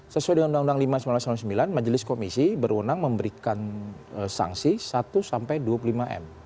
sesuai dengan undang undang lima seribu sembilan ratus sembilan puluh sembilan majelis komisi berwenang memberikan sanksi satu sampai dua puluh lima m